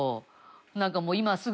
なんかもう今すぐ。